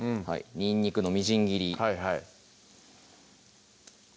にんにくのみじん切り